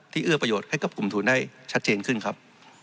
เอื้อประโยชน์ให้กับกลุ่มทุนได้ชัดเจนขึ้นครับ